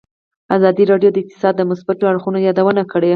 ازادي راډیو د اقتصاد د مثبتو اړخونو یادونه کړې.